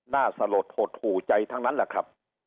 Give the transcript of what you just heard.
สลดหดหู่ใจทั้งนั้นแหละครับ